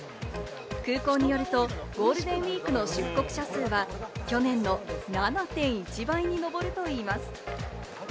空港によるとゴールデンウイークの出国者数は去年の７．１倍に上るといいます。